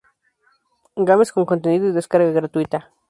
Games con contenido y descarga gratuita.